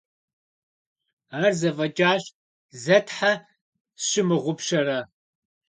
Ар зэфӏэкӏащ, зэ тхьэ сщымыгъупщэрэ?